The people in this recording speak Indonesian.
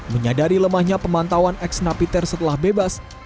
menyadari lemahnya pemantauan ex napiter setelah bebas